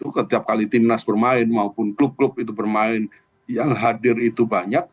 setiap kali timnas bermain maupun klub klub itu bermain yang hadir itu banyak